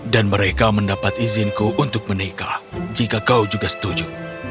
dan mereka mendapat izinku untuk menikah jika kau juga setuju